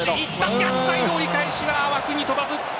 逆サイド、折り返しは枠に飛ばず。